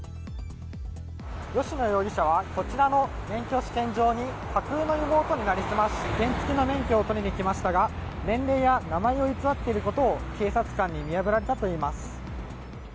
吉野容疑者はこちらの免許試験場に架空の妹に成り済まし原付きの免許を取りに来ましたが年齢や名前を偽っていることを警察官に見破られたといいます。